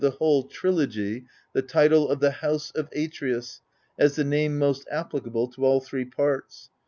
the whole Trilogy the title of The House of Atreus as the name most applicable to all three parts.